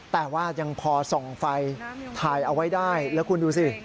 แต่ว่ายังพอส่องไฟถ่ายเอาไว้ได้แล้วคุณดูสิ